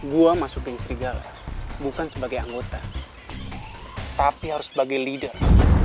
gue masukin serigala bukan sebagai anggota tapi harus sebagai leader